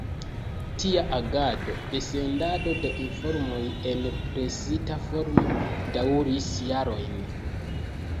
Tia agado de sendado de informoj en presita formo daŭris jarojn.